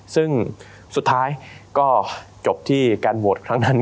ซึ่งสุดท้ายก็จบที่การโหวตครั้งนั้น